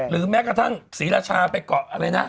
หรือแม้กระทั่งศรีรชาไปก่ออะไรนะ